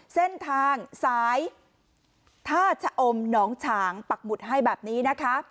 เส้นทางสายท่าชะอมหนองฉางปักหมุดให้แบบนี้นะคะ